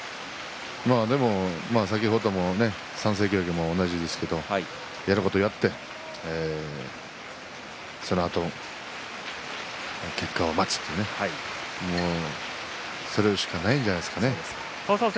先ほども３関脇も同じですがやることをやってそのあと結果を待つというそれしかないんじゃないですかね。